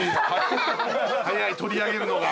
早い取り上げるのが。